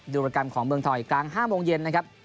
ดูโปรแกรมของเมืองทองอีกกลางห้าโมงเย็นนะครับ